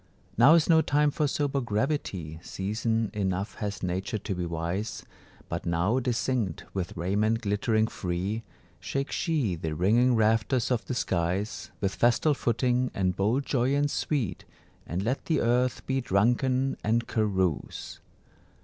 Now is no time for sober gravity, Season enough has Nature to be wise; But now distinct, with raiment glittering free, Shake she the ringing rafters of the skies With festal footing and bold joyance sweet, And let the earth be drunken and carouse!